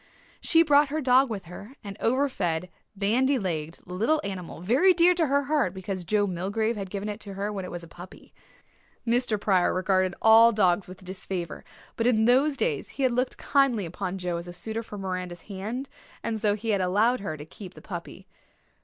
She brought her dog with her an over fed, bandy legged little animal very dear to her heart because Joe Milgrave had given it to her when it was a puppy. Mr. Pryor regarded all dogs with disfavour; but in those days he had looked kindly upon Joe as a suitor for Miranda's hand and so he had allowed her to keep the puppy.